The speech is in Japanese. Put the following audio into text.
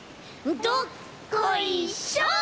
どっこいしょ！